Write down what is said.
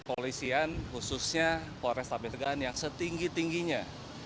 polisian khususnya polres tabi tegangan yang setinggi tingginya